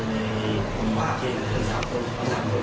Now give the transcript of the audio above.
ในเกี่ยวกับผู้หญิง